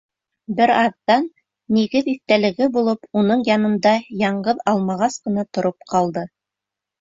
Бер аҙҙан, нигеҙ иҫтәлеге булып, уның янында яңғыҙ алмағас ҡына тороп ҡалды.